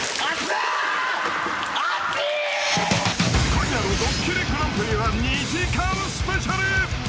［今夜の『ドッキリＧＰ』は２時間スペシャル］